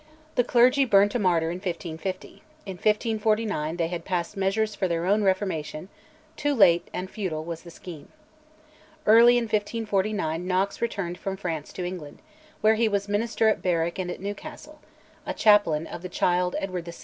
The clergy burned a martyr in 1550; in 1549 they had passed measures for their own reformation: too late and futile was the scheme. Early in 1549 Knox returned from France to England, where he was minister at Berwick and at Newcastle, a chaplain of the child Edward VI.